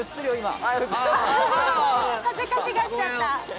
恥ずかしがっちゃった。